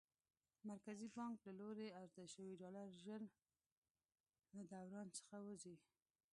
مرکزي بانک له لوري عرضه شوي ډالر ژر له دوران څخه وځي.